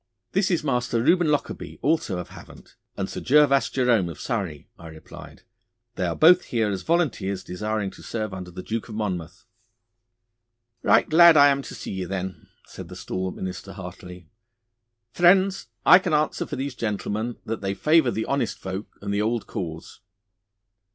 'This is Master Reuben Lockarby, also of Havant, and Sir Gervas Jerome of Surrey,' I replied. 'They are both here as volunteers desiring to serve under the Duke of Monmouth.' 'Right glad I am to see ye, then,' said the stalwart minister heartily. 'Friends, I can answer for these gentlemen that they favour the honest folk and the old cause.